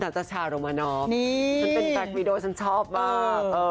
นาตาชาโรมนอล์ฉันเป็นแฟลควีดีโอฉันชอบมาก